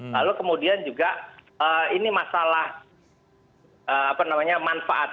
lalu kemudian juga ini masalah manfaat